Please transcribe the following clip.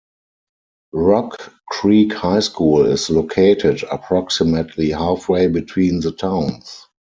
Rock Creek High School is located approximately halfway between the towns.